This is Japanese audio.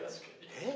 えっ？